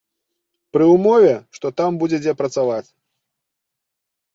Пры ўмове, што там будзе дзе працаваць.